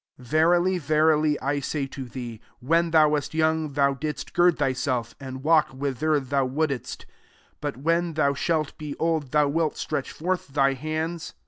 18 "Verily, verily, I say to thee, When thou wast young, ' thou didst gird thyself and walk whither thou wouldst: but when thou shalt be old, thou wilt stretch forth thy hands, and *